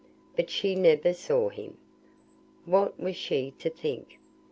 But she never saw him. What was she to think?